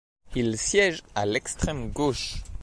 Il siège à l'extrême gauche.